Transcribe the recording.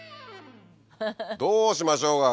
どうしましょうか？